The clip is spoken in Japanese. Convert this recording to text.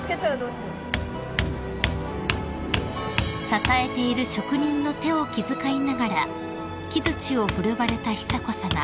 ［支えている職人の手を気遣いながら木づちを振るわれた久子さま］